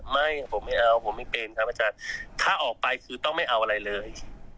ไม่ผมไม่เอาผมไม่เป็นครับอาจารย์ถ้าออกไปคือต้องไม่เอาอะไรเลย